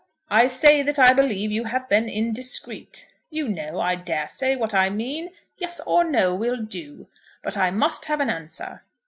I say that I believe you have been indiscreet. You know, I dare say, what I mean. Yes or no will do; but I must have an answer."